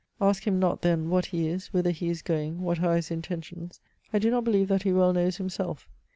Ask him not then what he is, whither he is going, what are his intentions. I do not believe that he well knows himself.